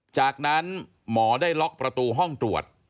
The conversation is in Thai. จากนั้นหมอได้ล็อกประตูห้องตรวจ